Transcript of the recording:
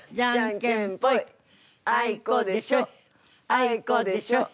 あいこでしょ。